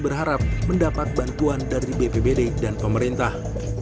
berharap mendapat bantuan dari bpbd dan pemerintah